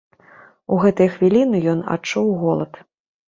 У гэтыя хвіліны ён адчуў голад.